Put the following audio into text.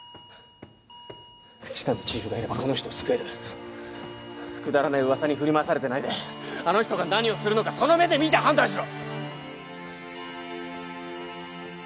喜多見チーフがいればこの人を救えるくだらない噂に振り回されてないであの人が何をするのかその目で見て判断しろ！